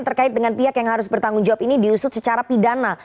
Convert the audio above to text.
terkait dengan pihak yang harus bertanggung jawab ini diusut secara pidana